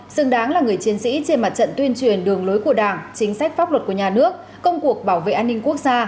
xứng đáng là người chiến sĩ trên mặt trận tuyên truyền đường lối của đảng chính sách pháp luật của nhà nước công cuộc bảo vệ an ninh quốc gia